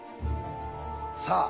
さあ